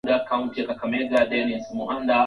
Ni wazi kuwa Mwinyi alikabiliwa na upinzani mkali